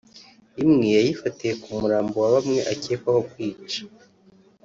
Imwe yayifatiye ku murambo wa bamwe akekwaho kwica